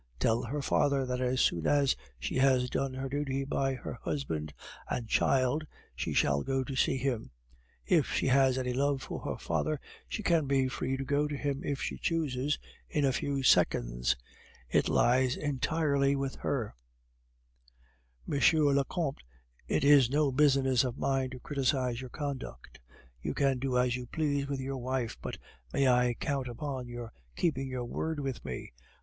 Tell her father that as soon as she has done her duty by her husband and child she shall go to see him. If she has any love for her father, she can be free to go to him, if she chooses, in a few seconds; it lies entirely with her " "Monsieur le Comte, it is no business of mine to criticise your conduct; you can do as you please with your wife, but may I count upon your keeping your word with me?